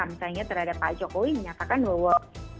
misalnya terhadap pak jokowi menyatakan bahwa